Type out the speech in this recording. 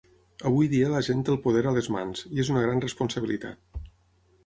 Avui dia la gent té el poder a les mans, i és una gran responsabilitat.